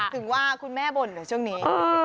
ถึงว่าคุณแม่บ่นเหรอช่วงนี้